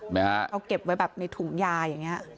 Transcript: เขาเก็บไว้แบบในถุงยาอย่างเนี่ย